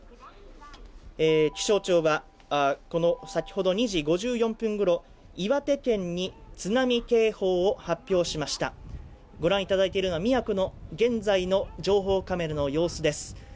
気象庁は先ほど２時５４分頃、岩手県に津波警報を発表しましたご覧いただいているのは宮古の現在の情報カメラの様子です